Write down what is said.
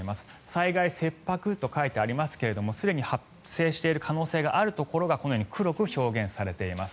災害切迫と書いてありますがすでに発生している可能性があるところがこのように黒く表現されています。